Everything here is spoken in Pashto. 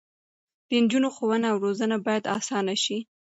د نجونو ښوونه او روزنه باید اسانه شي.